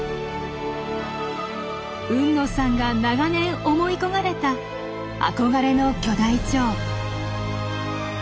海野さんが長年思い焦がれた憧れの巨大チョウ。